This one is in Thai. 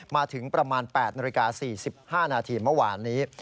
มาถึงประมาณ๘นาฬิกา๔๕นาทีเมื่อวานนี้